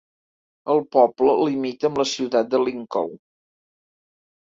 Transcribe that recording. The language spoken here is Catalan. El poble limita amb la ciutat de Lincoln.